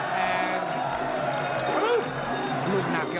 แล้วทีมงานน่าสื่อ